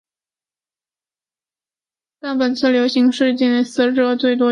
但本次流行事件死者最多的却是青壮年。